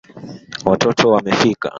Watoto wamefika